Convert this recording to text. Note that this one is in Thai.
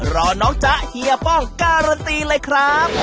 รอน้องจ๊ะเฮียป้องการันตีเลยครับ